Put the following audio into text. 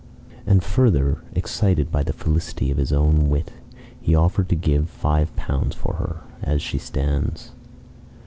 And further, excited by the felicity of his own wit, he offered to give five pounds for her "as she stands."